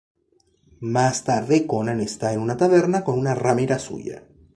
Más tarde Conan está en una taberna con una ramera suya.